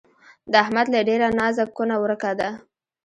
د احمد له ډېره نازه کونه ورکه ده